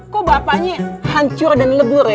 kok bapaknya hancur dan lebur ya